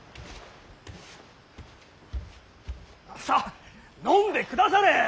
さあ飲んでくだされ。